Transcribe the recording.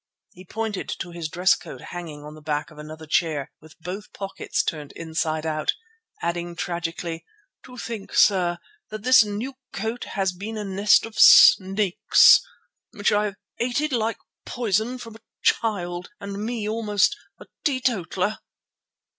He pointed to his dress coat hanging on the back of another chair with both the pockets turned inside out, adding tragically, "To think, sir, that this new coat has been a nest of snakes, which I have hated like poison from a child, and me almost a teetotaller!"